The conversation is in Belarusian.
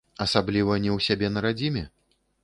Асабліва не ў сябе на радзіме?